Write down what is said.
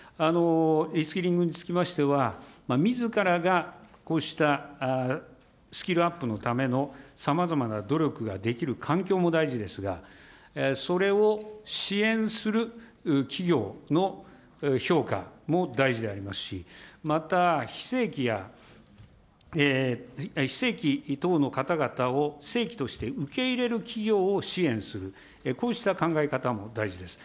リスキリングにつきましては、みずからがこうしたスキルアップのためのさまざまな努力ができる環境も大事ですが、それを支援する企業の評価も大事でありますし、また、非正規や、非正規等の方々を正規として受け入れる企業を支援する、こうした考え方も大事です。